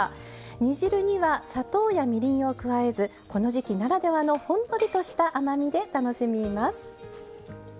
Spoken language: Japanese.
煮汁には砂糖やみりんを加えずこの時季ならではのほんのりとした甘みで楽しみます。